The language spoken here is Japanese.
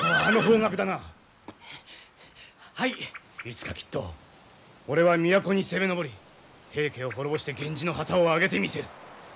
いつかきっと俺は都に攻め上り平家を滅ぼして源氏の旗をあげてみせる。